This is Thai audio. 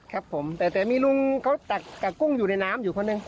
ครับผมแต่แต่มีลุงเขาตักกักกุ้งอยู่ในน้ำอยู่คนหนึ่ง